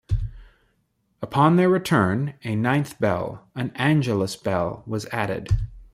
Upon their return, a ninth bell, an Angelus bell, was added.